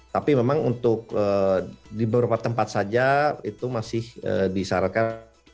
tapi memang untuk di beberapa tempat saja itu masih disarankan